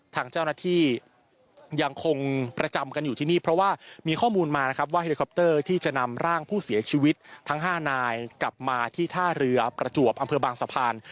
ทางเจ้าหน้าที่ยังคงประจำกันอยู่ที่นี่เพราะว่ามีข้อมูลมานะครับว่าเฮลิคอปเตอร์ที่จะนำร่างผู้เสียชีวิตทั้ง๕นายกลับมาที่ท่าเรือประจวบอำเภอบางสะพาน